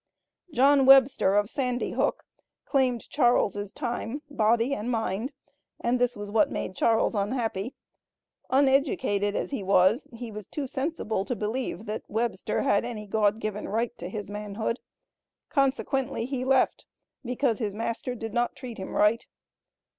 John Webster of Sandy Hook, claimed Charles' time, body and mind, and this was what made Charles unhappy. Uneducated as he was, he was too sensible to believe that Webster had any God given right to his manhood. Consequently, he left because his master "did not treat him right."